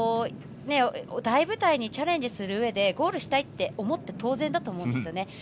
大舞台にチャレンジするうえでゴールしたいと思って当然だと思うんですよね。